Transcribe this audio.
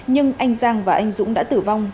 nhưng anh giang và anh dũng đã tử vong